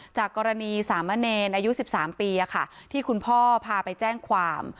จากกรณีสามะเนรอายุ๑๓ปีที่คุณพ่อพาไปแจ้งความ